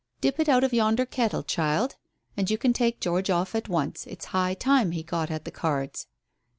"Dip it out of yonder kettle, child. And you can take George off at once. It's high time he got at the cards."